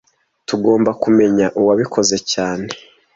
Tugomba kumenya uwabikoze cyane